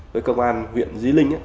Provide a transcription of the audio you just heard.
với cơ quan viện di linh